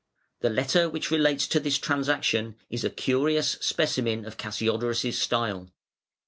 The letter which relates to this transaction is a curious specimen of Cassiodorus' style.